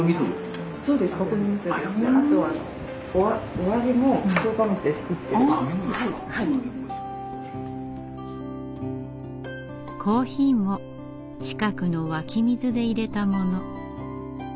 あとはコーヒーも近くの湧き水でいれたもの。